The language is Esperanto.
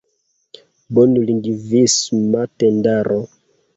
bonlingvisma tendaro.